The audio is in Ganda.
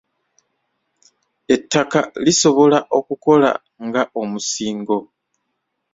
Ettaka lisobola okukola nga omusingo.